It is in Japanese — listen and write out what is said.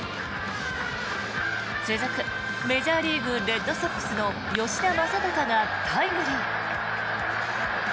続くメジャーリーグレッドソックスの吉田正尚がタイムリー。